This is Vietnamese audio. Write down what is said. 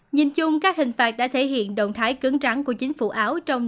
nhìn chung các hình phạt đã thể hiện động thái cứng rắn của chính phủ áo